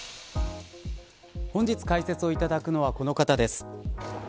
本日解説をいただくのはこの方です。